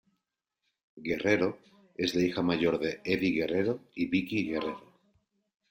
Guerrero es la hija mayor de Eddie Guerrero y Vickie Guerrero.